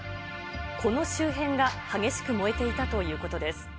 この周辺が激しく燃えていたということです。